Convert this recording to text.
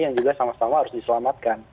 yang juga sama sama harus diselamatkan